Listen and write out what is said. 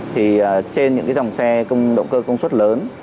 trên những dòng xe động cơ công suất lớn